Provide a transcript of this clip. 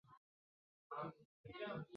全员战死。